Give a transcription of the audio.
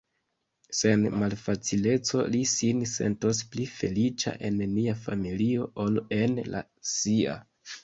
Sen malfacileco li sin sentos pli feliĉa en nia familio ol en la sia.